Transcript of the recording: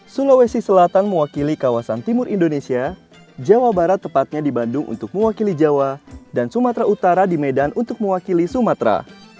sulawesi selatan mewakili kawasan timur indonesia jawa barat tepatnya di bandung untuk mewakili jawa dan sumatera utara di medan untuk mewakili sumatera